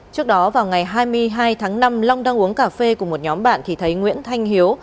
trước đó vào ngày hai mươi hai tháng năm long đang uống cà phê cùng một nhóm bạn thì thấy nguyễn thanh hiếu